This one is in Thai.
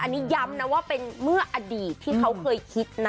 อันนี้ย้ำนะว่าเป็นเมื่ออดีตที่เขาเคยคิดนะ